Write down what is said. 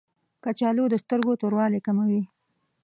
کچالو د سترګو توروالی کموي